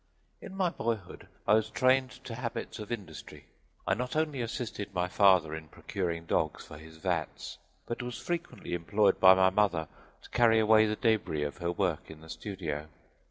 In my boyhood I was trained to habits of industry; I not only assisted my father in procuring dogs for his vats, but was frequently employed by my mother to carry away the debris of her work in the studio.